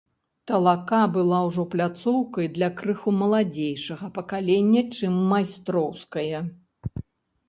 Талака была ўжо пляцоўкаю для крыху маладзейшага пакалення, чым майстроўскае.